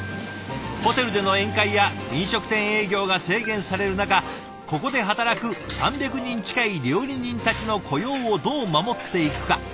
ホテルでの宴会や飲食店営業が制限される中ここで働く３００人近い料理人たちの雇用をどう守っていくか。